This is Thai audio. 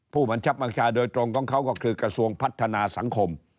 ผู้บังคับบัญชาโดยตรงของเขาก็คือกระทรวงพัฒนาสังคม